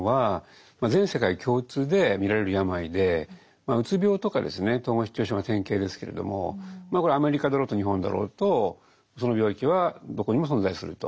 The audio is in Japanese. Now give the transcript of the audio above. まあうつ病とかですね統合失調症が典型ですけれどもまあこれアメリカだろうと日本だろうとその病気はどこにも存在すると。